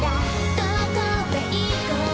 「どこへいこう」